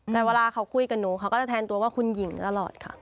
แต่เวลาเขาคุยกับหนูเขาก็จะแทนตัวว่าคุณหญิงตลอดค่ะ